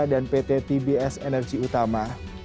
dan pt tbs energi utama